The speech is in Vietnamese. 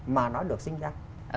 mà nó được sinh ra